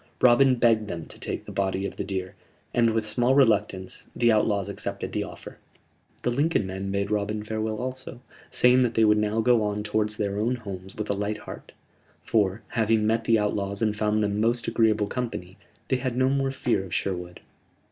Robin begged them to take the body of the deer, and, with small reluctance, the outlaws accepted the offer. The Lincoln men bade Robin farewell also, saying that they would now go on towards their own homes with a light heart: for, having met the outlaws and found them most agreeable company, they had no more fear of Sherwood.